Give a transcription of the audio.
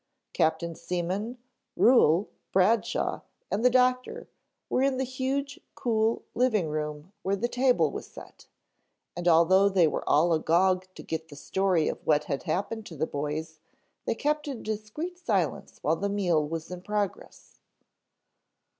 Captain Seaman, Ruhel, Bradshaw and the doctor were in the huge cool living room where the table was set, and although they were all agog to get the story of what had happened to the boys, they kept a discreet silence while the meal was in progress.